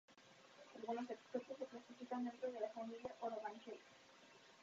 Algunos expertos lo clasifican dentro de la familia Orobanchaceae.